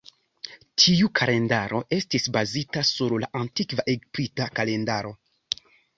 Tiu kalendaro estis bazita sur la antikva Egipta kalendaro.